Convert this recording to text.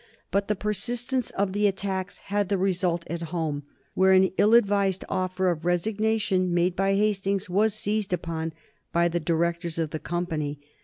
But the persistence of the attacks had their result at home, where an ill advised offer of resignation made by Hastings was seized upon by the Directors of the Company.